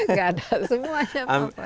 gak ada semuanya pak pung